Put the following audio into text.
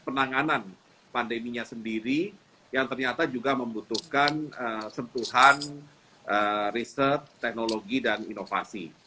penanganan pandeminya sendiri yang ternyata juga membutuhkan sentuhan riset teknologi dan inovasi